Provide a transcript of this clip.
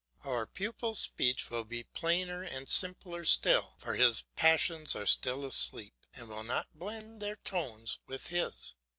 Our pupil's speech will be plainer and simpler still, for his passions are still asleep, and will not blend their tones with his.